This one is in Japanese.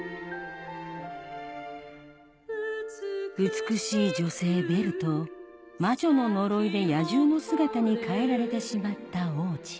美しい女性ベルと魔女の呪いで野獣の姿に変えられてしまった王子